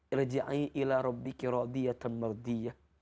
irja'i ila rabbiki ra'diyatun mar'diyah